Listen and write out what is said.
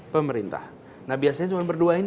pemerintah nah biasanya cuma berdua ini